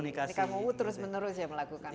ini kamu terus menerus melakukan komunikasi